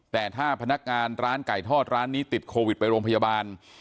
แต่ถ้าพนักงานร้านไก่ทอดร้านนี้ติดโควิดไปโรงพยาบาล